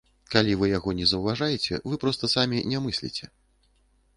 Калі вы яго не заўважаеце, вы проста самі не мысліце.